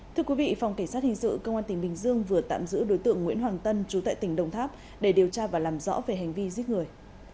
thưa quý vị phòng cảnh sát hình sự công an tỉnh bình dương vừa tạm giữ đối tượng nguyễn hoàng tân chú tại tỉnh đồng tháp để điều tra và làm rõ về hành vi giết người